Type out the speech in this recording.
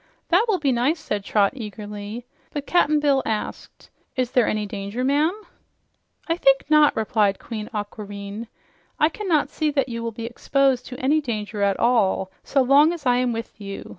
"That will be nice," said Trot eagerly. But Cap'n Bill asked, "Is there any danger, ma'am?" "I think not," replied Queen Aquareine. "I cannot say that you will be exposed to any danger at all, so long as I'm with you.